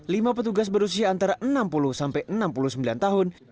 lima petugas berusia antara enam puluh sampai enam puluh sembilan tahun